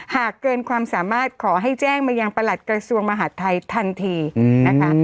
หากเกินความสามารถขอให้แจ้งมายังประหลัดกระทรวงมหาดไทยทันทีนะคะ